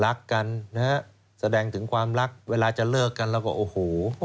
รักกันนะฮะแสดงถึงความรักเวลาจะเลิกกันแล้วก็โอ้โห